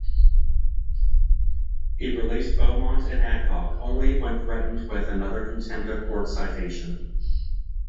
He released Beaumont and Adcock only when threatened with another contempt of court citation.